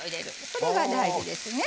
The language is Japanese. それが大事ですね。